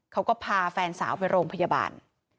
เขาก็พาแฟนสาวไปโรงพยาบาล